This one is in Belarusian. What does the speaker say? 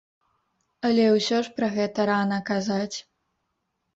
Але ўсё ж пра гэта рана казаць.